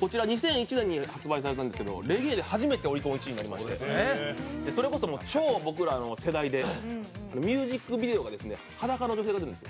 こちら２００１年に発売されたんですけどレゲエで初めてオリコン１位になりまして、それこそ超僕らの時代でミュージックビデオが裸の女性が出るんですよ。